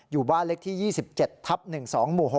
อยู่บ้านเล็กที่๒๗ทับ๑๒หมู่๖